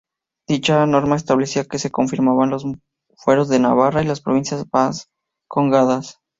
Dicha norma establecía que se confirmaban los fueros de Navarra y las Provincias Vascongadas.